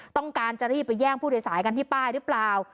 ต้องการจะรีบไปแย่งผู้โดยสารกันที่ป้ายหรือเปล่า